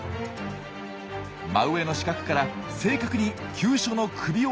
真上の死角から正確に急所の首を狙っています。